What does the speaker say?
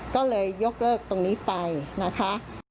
ก็เลยยกเลิกตรงนี้ไปนะคะ